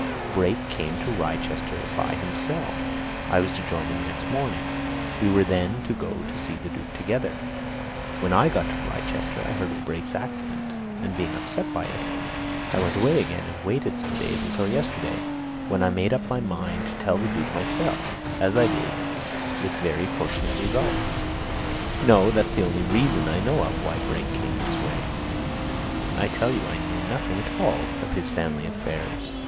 Brake came to Wrychester by himself I was to join him next morning: we were then to go to see the Duke together. When I got to Wrychester, I heard of Brake's accident, and being upset by it, I went away again and waited some days until yesterday, when I made up my mind to tell the Duke myself, as I did, with very fortunate results. No, that's the only reason I know of why Brake came this way. I tell you I knew nothing at all of his family affairs!